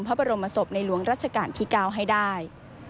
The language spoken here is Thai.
พระบรมศพในหลวงรัชกาลที่๙ให้ได้